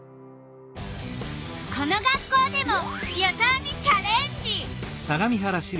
この学校でも予想にチャレンジ！